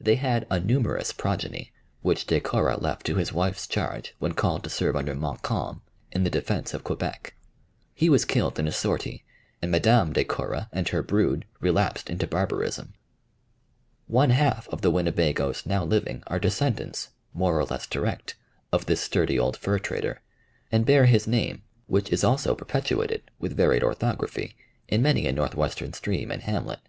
They had a numerous progeny, which De Korra left to his wife's charge when called to serve under Montcalm in the defence of Quebec. He was killed in a sortie, and Madame De Korra and her brood relapsed into barbarism. One half of the Winnebagoes now living are descendants, more or less direct, of this sturdy old fur trader, and bear his name, which is also perpetuated, with varied orthography, in many a northwestern stream and hamlet.